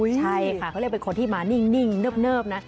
ใช่ค่ะเขาเรียกเป็นคนที่มานิ่งเนิบนะ